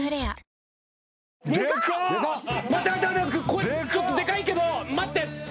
これちょっとでかいけど待って！